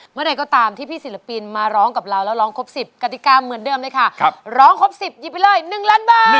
เมื่อใดก็ตามที่พี่ศิลปินมาร้องกับเราแล้วร้องครบ๑๐กติกาเหมือนเดิมเลยค่ะร้องครบ๑๐หยิบไปเลย๑ล้านบาท